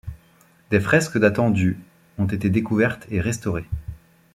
Des fresques datant du ont été découvertes et restaurées.